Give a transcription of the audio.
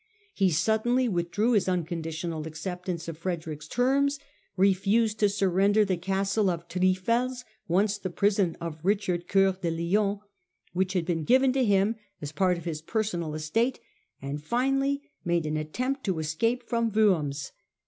He suddenly withdrew his unconditional acceptance of Frederick's terms, refused to surrender the Castle of Trif els, once the prison of Richard Coeur de Lion, which had been given to him as part of his personal estate, and finally made an attempt to escape from Worms.